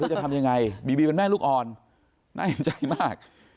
จะทำยังไงบีบีเป็นแม่ลูกอ่อนน่าเห็นใจมาก